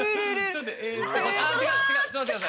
ちょっと待って下さい！